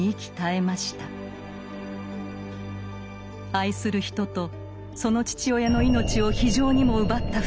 愛する人とその父親の命を非情にも奪った２人。